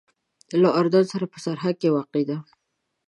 له اردن سره په سرحد کې واقع ده.